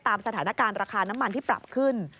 ตามสถานการณ์ราคาน้ำมันที่ปรับขึ้น